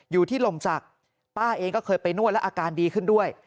อยู่ที่ลมศักดิ์ป้าเองก็เคยไปนวดแล้วอาการดีขึ้นด้วย